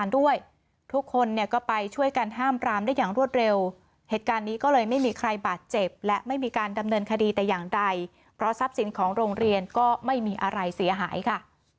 ดีแต่อย่างใดเพราะทรัพย์สินของโรงเรียนก็ไม่มีอะไรเสียหายค่ะ